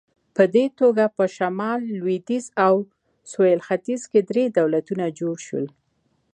په دې توګه په شمال، لوېدیځ او سویل ختیځ کې درې دولتونه جوړ شول.